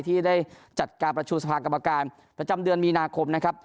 ที่ได้จัดการประชุมสภากรรมการประจำเดือนมีนาคมนะครับ